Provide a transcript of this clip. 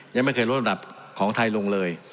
ยังไม่เคยลดระดับของไทยลงเลย